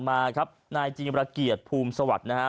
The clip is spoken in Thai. ที่ผ่านมาครับนายจีงระเกียจภูมิสวัสดิ์นะฮะ